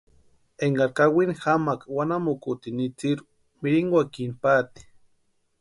Énkari kawini jamaaka wanamukutini itsirhu mirinkwakini paati.